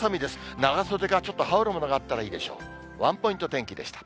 長袖かちょっと羽織るものがあったほうがいいでしょう。